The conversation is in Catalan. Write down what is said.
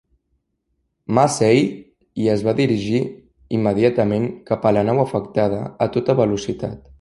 "Massey" i es va dirigir immediatament cap a la nau afectada a tota velocitat.